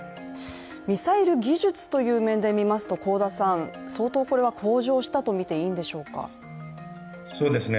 ミサイル技術という面で見ますと相当これは向上したとみていいんでしょうか。